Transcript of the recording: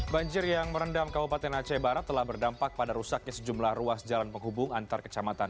banjir yang merendam kabupaten aceh barat telah berdampak pada rusaknya sejumlah ruas jalan penghubung antar kecamatan